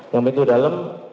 yang pintu dalam